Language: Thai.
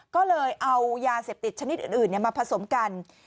ก็เลยเอายาเสพติดชนิดอื่นมาผสมกัน